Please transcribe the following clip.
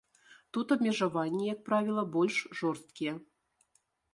Тут абмежаванні, як правіла, больш жорсткія.